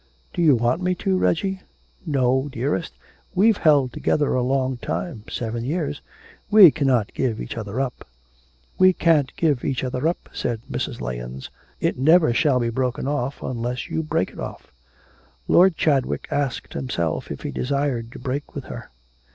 'Do you want me to, Reggie?' 'No, dearest, we've held together a long time seven years we cannot give each other up.' 'We can't give each other up,' said Mrs. Lahens. 'It never shall be broken off, unless you break it off.' Lord Chadwick asked himself if he desired to break with her?